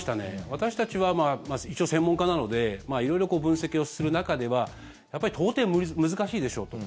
私たちは一応専門家なので色々分析する中では到底難しいでしょうと。